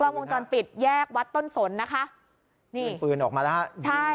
วงจรปิดแยกวัดต้นสนนะคะนี่เป็นปืนออกมาแล้วฮะใช่